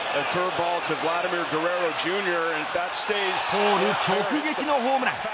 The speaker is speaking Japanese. ポール直撃のホームラン。